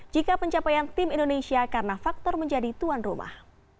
jika pencapaian tim indonesia karena faktor menjadi tuan rumah